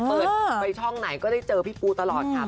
เปิดไปช่องไหนก็ได้เจอพี่ปูตลอดค่ะ